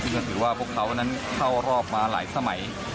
ก็ถือว่าพวกเขานั้นเข้ารอบมาหลายสมัย